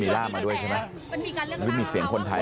มีลาบมาด้วยใช่ไหมหรือมีเสียงคนไทย